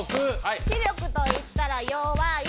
視力といったら弱い。